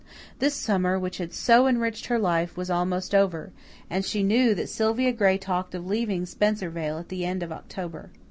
This summer, which had so enriched her life, was almost over; and she knew that Sylvia Gray talked of leaving Spencervale at the end of October.